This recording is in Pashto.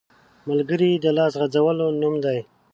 ملګری د لاس غځولو نوم دی